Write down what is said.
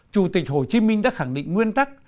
chủ tịch hồ chí minh đã khẳng định nguyên tắc